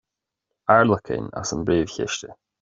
Airleacain as an bPríomh-Chiste.